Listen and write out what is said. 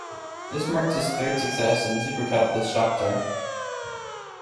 This marked his third success in the Super Cup with Shakhtar.